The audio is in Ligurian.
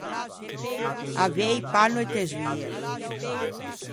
Avei panno e tesoie.